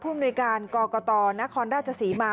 มนุยการกรกตนครราชศรีมา